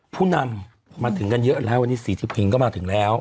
ผู้นำมาถึงกันเยอะแล้ววันนี้สีที่พิงก็มาถึงแล้ว